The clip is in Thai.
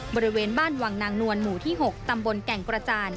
บริเวณบ้านวังนางนวลหมู่ที่๖ตำบลแก่งกระจาน